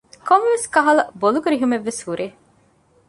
ކޮންމެވެސް ކަހަލަ ބޮލުގެ ރިހުމެއްވެސް ހުރޭ